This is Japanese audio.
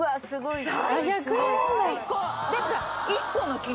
すごいの。